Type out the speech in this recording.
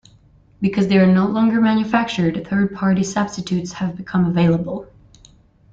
Because they are no longer manufactured, third-party substitutes have become available.